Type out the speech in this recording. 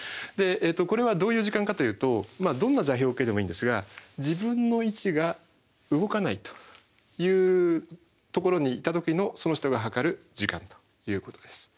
これはどういう時間かというとどんな座標系でもいいんですが自分の位置が動かないというところにいた時のその人が計る時間ということです。